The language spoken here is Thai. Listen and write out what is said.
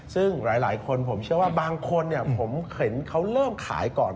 ซึ่งหลายคนผมเชื่อว่าบางคนผมเห็นเขาเริ่มขายก่อน